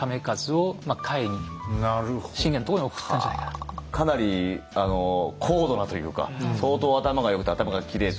実はかなり高度なというか相当頭が良くて頭が切れて。